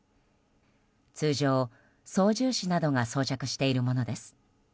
通常、操縦士などが装着しているものです。